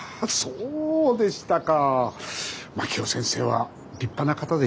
そうでしたか。